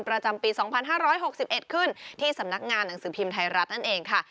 ประจำปี๒๕๖๑ขึ้นที่สำนักงานหนังสือพิมพ์ไทยรัฐนั่นเองค่ะ